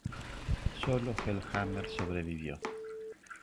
Sólo Hellhammer "sobrevivió".